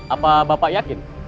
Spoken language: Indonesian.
apa bapak yakin